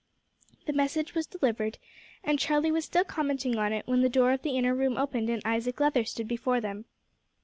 The message was delivered, and Charlie was still commenting on it, when the door of the inner room opened and Isaac Leather stood before them.